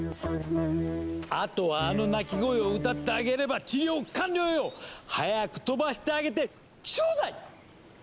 あとはあの鳴き声を歌ってあげれば治療完了よ！早く飛ばしてあげてちょうだい！